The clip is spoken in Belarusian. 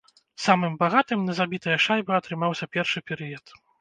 Самым багатым на забітыя шайбы атрымаўся першы перыяд.